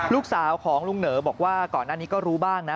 ลูกสาวของลุงเหนอบอกว่าก่อนหน้านี้ก็รู้บ้างนะ